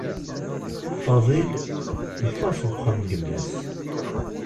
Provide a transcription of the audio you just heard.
Fadil yeffeɣ seg uxxam n yemma-s.